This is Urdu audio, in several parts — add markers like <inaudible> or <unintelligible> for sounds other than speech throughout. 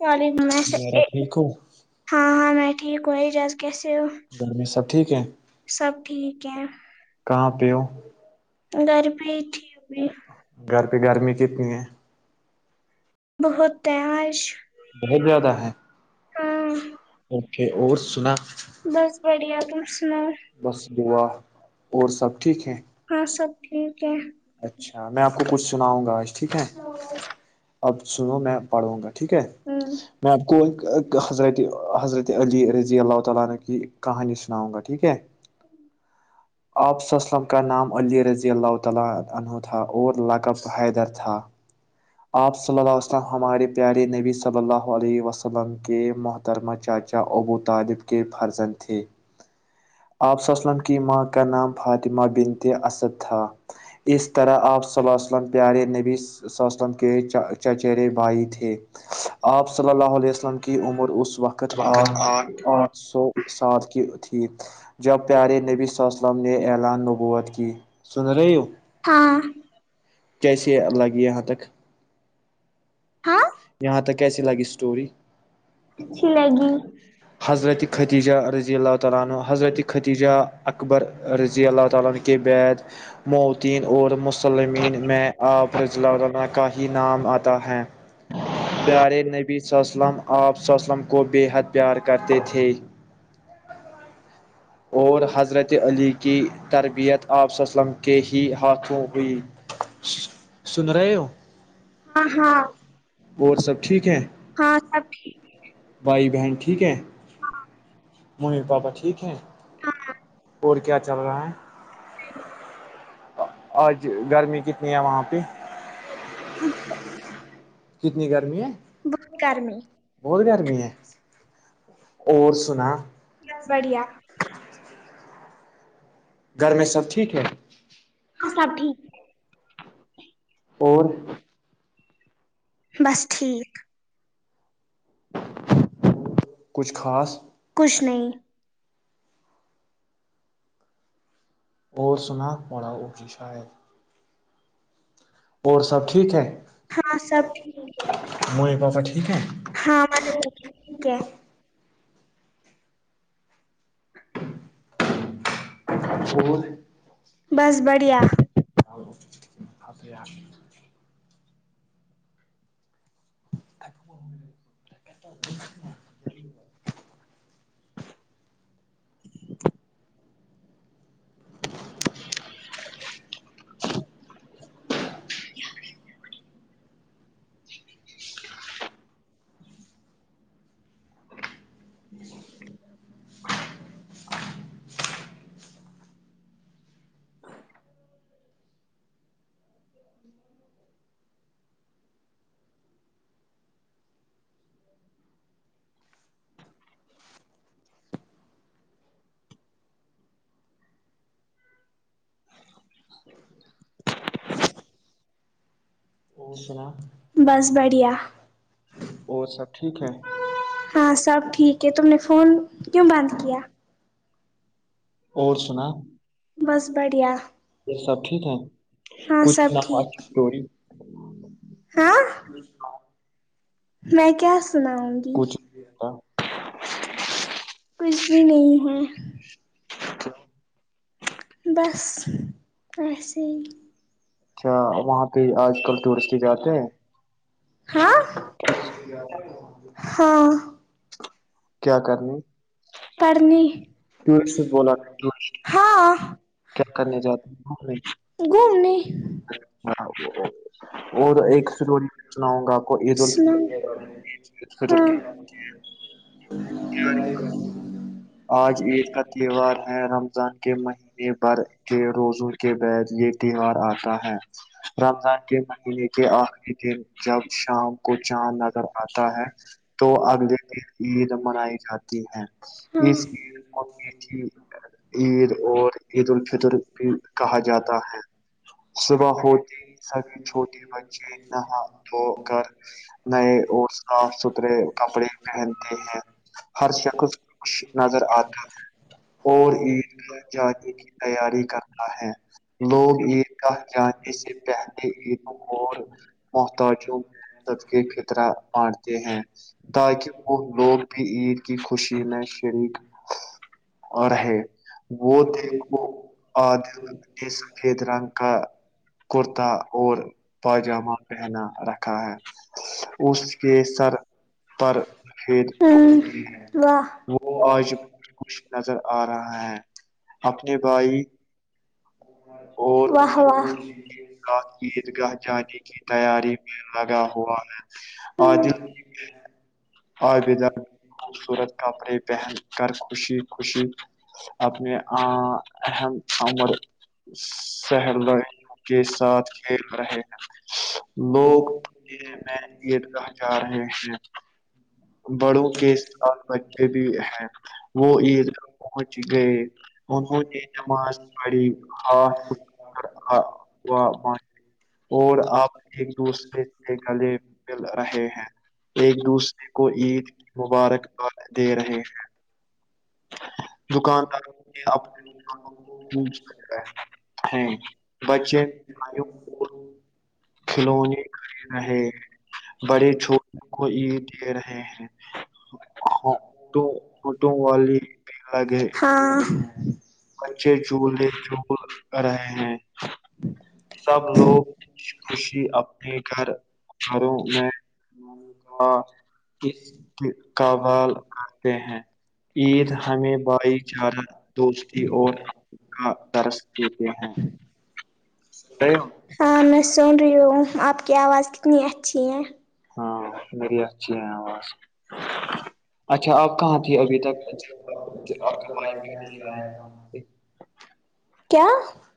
وعلیکم ال ہاں ہاں میں ٹھیک ہوںا اجاز کیسے ہوں سب ٹھیک ہے <unintelligible> گھر پہ ہی تھی بھی گھر پہ گرمی کتنی ہے <unintelligible> بہت زیادہ ہے <unintelligible> اوکے اور سنا بس بڑھیا تم سناؤ بس دعا اور سب ٹھیک ہے ہاں سب ٹھیک ہے اچھا میں آپ کو کچھ سناؤں گا آج ٹھیک ہے اب سنو میں پڑھوں گا ٹھیک ہے ہوں، میں آپ کو ایک حضرت علی رضی اللہ تعالی عنہ کی کہانی سناؤں گا ٹھیک ہے آپس اسلم کا نام علی رضی اللہ تعالی عنہ تھا اور لقب حیدر تھا آپ صلی اللہ وسلم ہمارے پیارے نبی صلی اللہ علیہ وسلم کے درما چاچا ابو طالب کے فرزند تھے <unintelligible> اپ صلی اللہ علیہ وسلم کی ماں کا نام فاطمہ بنت اسد تھا اس طرح آپ صللہ ا علیہ وسلم پیارے نبی صلہ علیه وسلم کے چچرے بھائی تھے آپ صلی اللہ علیہ وسلم کی عمر اس وقت آٹھ آٹھ سو ساتھ کی ٹھیک جب پیارے نبی صلی اللہ علیہ وسلم نے اعلان نبوت کی سن رہی ہو ہاں کیسے لگے یہاں تک ہاں یہاں تک کیسی لگی اسٹوری اچھی لگی ختیجہ رضی اللہ تعالی عنہ حضرت ختیجہ اکبر رضی اللہ تعالیہ کے بعد متیین اور مسلمین میں آپ رضی الله کا ہی نام آتا ہے پیارے نبی صلی اللہ علیہ وسلم آپ صلی اللہ علیہ وسلم کو بے حد پیار کرتے تھے اور حضرت علی کی تربیت آپ صلى الله علیہ وسلم کے ہی ہاتھوں ہوئی سن رہے ہو ہاں ہاں اور سب ٹھیک ہے ہاں سب ٹھیک بھائی بہن ٹھیک ہے ممی پاپا ٹھیک ہیں ہاں اور کیا چل رہا ہے <inaudible> آج گرمی کتنی ہے وہاں پہ ہاں کتنی گرمی ہے بہت گرمی بہت گرمی ہے اور سنا بڑھیا گھر میں سب ٹھیک ہے ہاں سب ٹھیک اور بس ٹھیک کچھ خاص کچھ نہیں اور سنا اور سب ٹھیک ہے ہاں سب ٹھیک۔ ممی پاپا ٹھیک ہے ہاں ہمارے گھر بھی ٹھیک ہے بس بڑھیا اور <inaudible> <inaudible> <inaudible> <inaudible> <inaudible> <inaudible> <inaudible> سنا بس بڑھیا اور سب ٹھیک ہے ہاں سب ٹھیک ہے تم نے فون کیوں بند کیا اور سنا بس بڑھیا یہ سب ٹھیک ہے ہاں سب ٹھیک کچھوری ہاں میں کیا سناؤں گی کچھ کچھ بھی نہیں ہے اچھا بس ایسے ہی اچھا وہاں پہ آج کل دٹورسٹ ہی جاتے ہیں ہاں ہاں کیا کرنے پڑھنے بلا ہاں کیا کرنے جاتے ہ گھومنے میں ہاں اور ایک سی سناؤں گا آپ کوید سنا خترک ہاں ج آج عید کا تہوار ہے رمضان کے مہینے بھر کے روزوں کے بعد یہ تہوار آتا ہے رمضان کے مہینے کے آخری دن جب شام کو چاند نظر آتا ہے تو اگلے دن ج منائی جاتی ہے ہاں اس لی ہوں کی عید اور عید الفطر بھی کہا جاتا ہے صبح ہوتی ہی سبے چھوٹے بچے نہا تو کر نئے اور صاف ستھرے کپڑے پہنتے ہیں ہر شخص خ نظر آتا ہے اور عید گاہ جانے کی تیاری کرتا ہے لوگ عید گاہ جانے سے پہلے عیدوں اور محتاج مد کے خطرہ بانٹتے ہیں تاکہ وہ لوگ عید کی خوشی میں شریک اور ہے وہ تھ وہ سفید رنگ کا کرتا اور پاجامہ پہنا رکھا ہے اس کے سر پرفھید وہ واہ وہ آج ب خوش نظر آ رہا ہے اپنے بھائی اور واہ واہ رات عید گاہ جانے کی تیاری میں لگا ہوا ہے آد آ بیدا خوبصورت کپڑے پہن کر خوشی خوشی آپنی آر شہر لڑ کے ساتھ کھیل رہے ہیں لوگ میں یہ کہاں جا رہے ہیں بڑوں کے ساتھ بچے بھی ہیں وہ عید گاہ پہنچ گئے انہوں نے جماعت پڑی ہاتھ اٹا م اور آپ ایک دوسرے سے گلے مل رہے ہیں ایک دوسرے کو عید کی مبارکاد دے رہے ہیں دکاندار دکانداروں نے اپنے اپنی دکانوں کو منہ پہنچ سک ہے سے ہیں بچے بھائی کھلونے کھ رہے بڑے چھوٹوں کو عید دے رہے ہیں ہاںٹو آٹو والی لگے ہاں بچے جولے جول رہے ہیں سب لوگ خوشی اپنے گھر کروں میں کا اس قبال کرتے ہیں عید یں بائی چارہ دوست اور کا درس دیتے ہیں ہاں میں سن رہی ہوں آپ کی آواز کتنی اچھی ہے ہاں مری اچھی ہیں آواز اچھا آپ آپاں کہاں تھی ابھی تک آپ کا ب آیا تھا بھائی کیا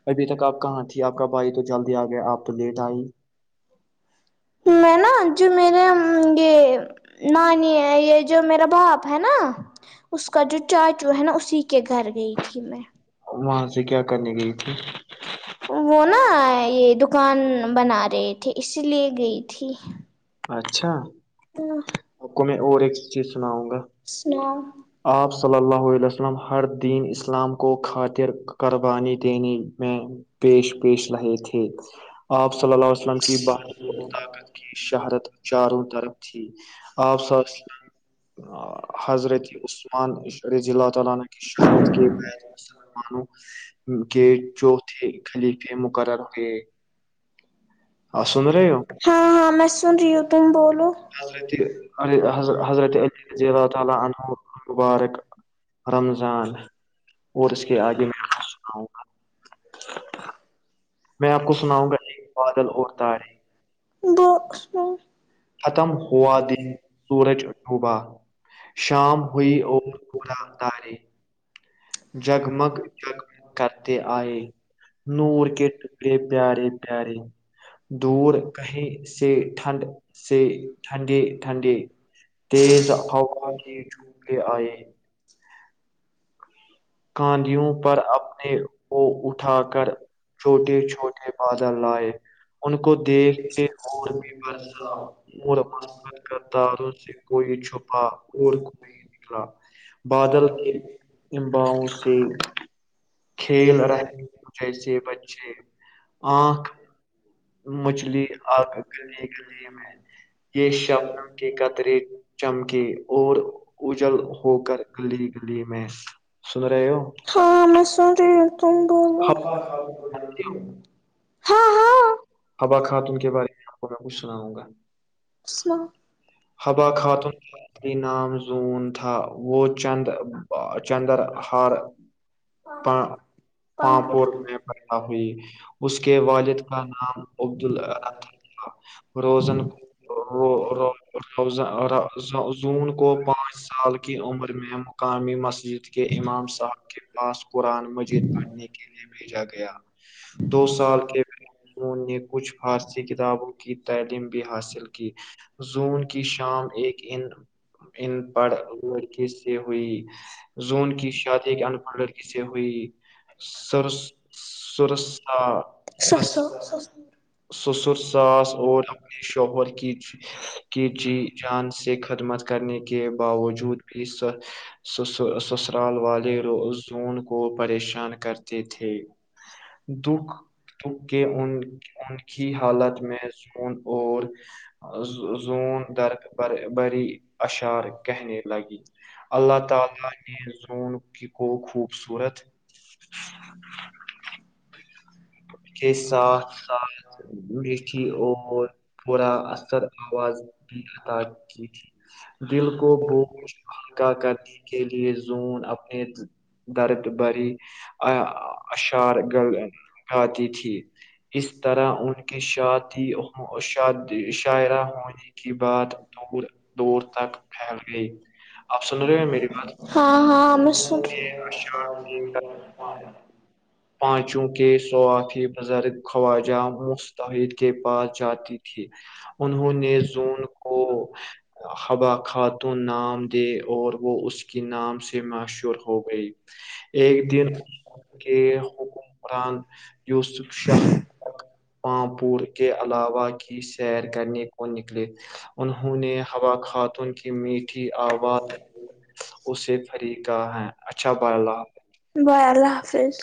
ابھی تک آپ کااں تھی آپ کا بھائی تو جلدی آ گیا آپ تو لیٹ آئی میں نا جو میرے یہ نانی ہے یہ جو میرا باپ ہے نا اس کا جو چاچو ہے نا اسی کے گھر گئی تھی میں وہاں سے کیا کرنےنی گئی تھی وہ نا یہ دکان بنا رہے تھے اسی لیے گئی تھی اچھا آپ کو میں اور ایک چیز سناؤں گا سناؤ آپ صلی اللہس اسلم ہر دین اسلام کو خاطر قربانی دینے میں پیش پیش رہے تھے آپ صلی اللہ وسلم کی بات جی شہادت چاروں طرف تھی آپ س حضرت عثمانشض اللہ تعالا ش کے گئے مسلمانوں کے چو خال مقرر تھ ہو ہاں ہاں میں سن رہی ہوں تم بولو حضرت ع حر حضرت علی رضی اللہ تعالا عنہ مبارک رمضان اور اس کے آگے میںؤں گا میں آپ کو سناؤں گا ایک بادل اور تارے دو ختم ہوا دی سورج عٹوبہ شام ہوئی اور گا اتارے جگ مگ جگگ کرتے آئے نور کٹ پیے پیارے پیارے دور کہیں سے ٹھنڈ سے ٹھنڈے ٹھنڈے تز ہ کی چلی آ کاندوں پر اپنے کو اٹھا کر چھوٹے چھوٹے بادل لائے ان کو دیکھ کے اور میں ب اور م کر داروں سے کوئی چھپا اور کوئی نکلا بادل کے باؤ سے کھیل رہے جیسے بچے آنکھ مچھلی اگ کرنے کر لی میں یہ شبن کی کتریے چمکی اور اجل ہو کر گلی گلی میں سن رہے ہو ہاں میں س رہ تم بولو ہاں ہاں ہوا خاتون کے بارے میں آپ کو میں کچھ سناؤں گا س ہوبا خاتون نام زون تھا وہ چند چندر ہار پپ پا- پانپور میں پیدا ہوئی اس کے والد کا نام عبد ال روزن <unintelligible> زون کو پانچ سال کی عمر میں مقامی مسجد <unintelligible> امام صاحب کے پاس قرآن مجید پڑھنے کے لیے بھیجا گیا دو سال کے ان نے کچھ فارسی کتابوں کی تعلیم بھی حاصل کی زون کی شام ایک ان ان پڑھ لڑکے سے ہوئی زون کی شادی کے انپڑھ لڑکی سے ہوئی سر سورا <unintelligible> ش سو س <unintelligible> سسر ساس اور اپ شہر کی کیچی جان سے خدمت کرنے کے باوجود سسرال والے زون کو پریشان کرتے <unintelligible> تھے دکھ دکھ کے ان ان کی حالت میں سون اور <unintelligible> زون در بری اشعار کہنے لگی اللہ تعالینے زون کو خوبصورت <unintelligible> اچ <inaudible> کے ساتھ س تھی اور پورا اثر آواز بھی ادا کی تھی <unintelligible> دل کو بو مکا کرنے کے لیے زون اپنے <unintelligible> درت بھری اشار گ گاتی تھی <unintelligible> اس طرح ان کی شادی شادی شاعرہ ہونے کی بات دور دور تک پھیل گئی آپ سن رہے ہو میری ہاں ہاں ہم بات پانچوں کے صوافی بزرگ خواجہ مستحد کے پاس جاتی انہوں نے زون کو حبا خاتون نام اور وہ اس کے نام سے مشہور ہو گئی ایک دن ان کے حکم قران یوسف شاہ پامپور کے علاوہ کی سیر کرنے کو نکلے انہوں نے ہوا خاتون کی میٹھی آواز اسے فریقہ ہے اچھا ب ال بائے اللہ حافظ